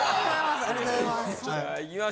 ありがとうございます。